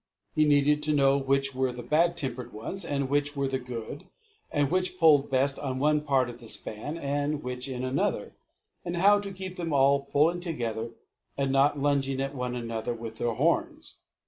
He needed to know which were the bad tempered ones and which were the good, and which pulled best in one part of the span and which in another; and how to keep them all pulling together and not lunging at one another with their horns.